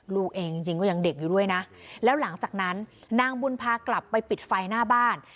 ลูกเองจริงก็ยังเด็กอยู่ด้วยนะแล้วหลังจากนั้นนางบุญพากลับไปปิดไฟหน้าบ้าน